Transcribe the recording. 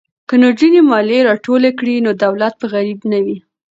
که نجونې مالیه راټوله کړي نو دولت به غریب نه وي.